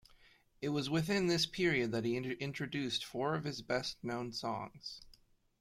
It was within this period that he introduced four of his best-known songs.